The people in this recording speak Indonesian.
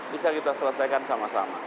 bisa kita selesaikan sama sama